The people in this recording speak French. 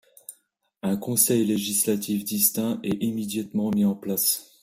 Un conseil législatif distinct est immédiatement mis en place.